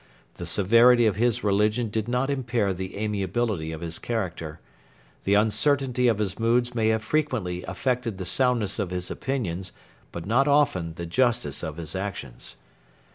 The severity of his religion did not impair the amiability of his character. The uncertainty of his moods may have frequently affected the soundness of his opinions, but not often the justice of his actions.